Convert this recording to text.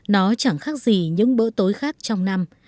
nó chẳng khác gì những bữa tối khác trong năm